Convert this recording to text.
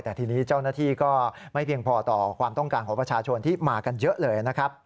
แต่ทีนี้เจ้าหน้าที่ก็ไม่เพียงพอต่อความต้องการของประชาชนที่มากันเยอะเลยนะครับ